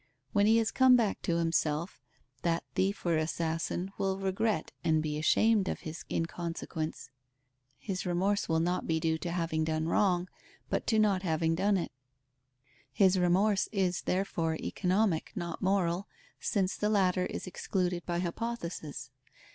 When he has come back to himself, that thief or assassin will regret and be ashamed of his inconsequence; his remorse will not be due to having done wrong, but to not having done it; his remorse is, therefore, economic, not moral, since the latter is excluded by hypothesis.